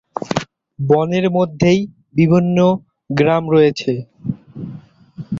বনের মধ্যেই বিভিন্ন গ্রাম রয়েছে।